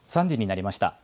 ３時になりました。